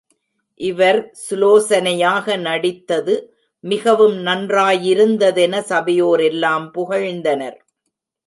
இவர் சுலோசனையாக நடித்தது மிகவும் நன்றாயிருந்ததென சபையோரெல்லாம் புகழ்ந்தனர்.